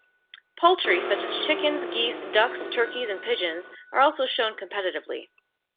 Poultry such as chickens, geese, ducks, turkeys and pigeons are also shown competitively.